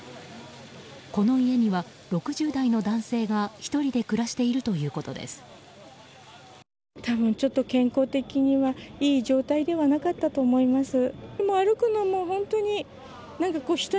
この家には６０代の男性が１人で暮らしているということです。